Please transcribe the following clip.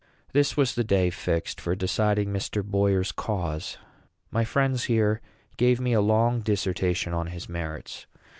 This was the day fixed for deciding Mr. Boyer's cause. My friends here gave me a long dissertation on his merits.